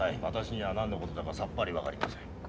私には何の事だかさっぱり分かりません。